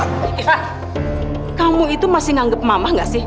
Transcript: ivan kamu itu masih nganggep mama gak sih